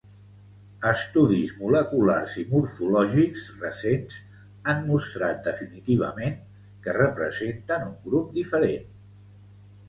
Estudis moleculars i morfològics recents han mostrat definitivament que representen un grup diferent